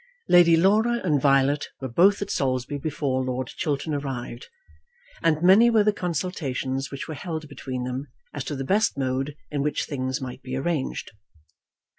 Lady Laura and Violet were both at Saulsby before Lord Chiltern arrived, and many were the consultations which were held between them as to the best mode in which things might be arranged.